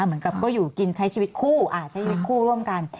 เหมือนกับก็อยู่กินใช้ชีวิตคู่ใช้ชีวิตคู่ร่วมกัน